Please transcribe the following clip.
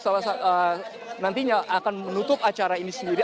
salah nantinya akan menutup acara ini sendiri